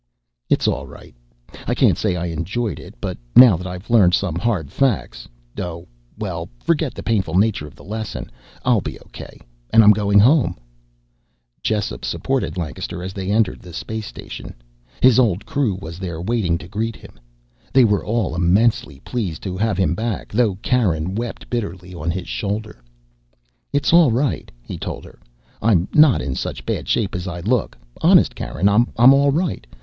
"It's all right. I can't say I enjoyed it, but now that I've learned some hard facts oh, well, forget the painful nature of the lesson. I'll be okay. And I'm going home!" Jessup supported Lancaster as they entered the space station. His old crew was there waiting to greet him. They were all immensely pleased to have him back, though Karen wept bitterly on his shoulder. "It's all right," he told her. "I'm not in such bad shape as I look. Honest, Karen, I'm all right.